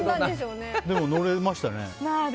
でも、乗れましたね。